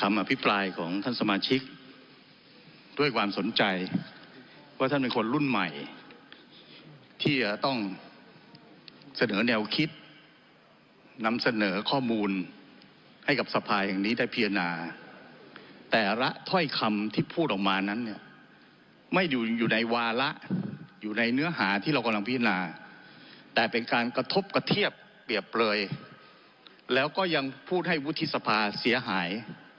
คำอภิปรายของท่านสมาชิกด้วยความสนใจว่าท่านเป็นคนรุ่นใหม่ที่จะต้องเสนอแนวคิดนำเสนอข้อมูลให้กับสภาแห่งนี้ได้พิจารณาแต่ละถ้อยคำที่พูดออกมานั้นเนี่ยไม่อยู่ในวาระอยู่ในเนื้อหาที่เรากำลังพินาแต่เป็นการกระทบกระเทียบเปรียบเปลยแล้วก็ยังพูดให้วุฒิสภาเสียหาย